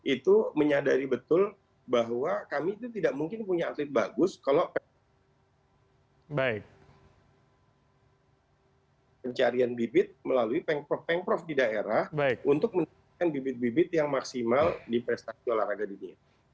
itu menyadari betul bahwa kami itu tidak mungkin punya atlet bagus kalau pencarian bibit melalui pengprof di daerah untuk mendapatkan bibit bibit yang maksimal di prestasi olahraga dunia